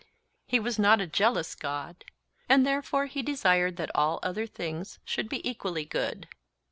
He was not 'a jealous God,' and therefore he desired that all other things should be equally good.